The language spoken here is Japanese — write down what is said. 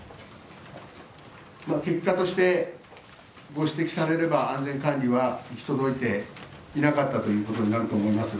結果としてご指摘されれば、安全管理は行き届いていなかったということになると思います。